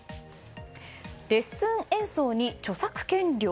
レッスン演奏に著作権料？